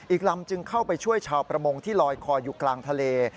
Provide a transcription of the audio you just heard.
อีกลำจึงเข้าไปช่วยชาวประมงที่ลอยคออยู่กลางทะเล